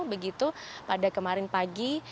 begitu pada kemarin pagi